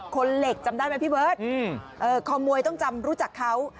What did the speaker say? คนเหล็กจำได้ไหมพี่เบิร์ตขโมยต้องจำรู้จักเขา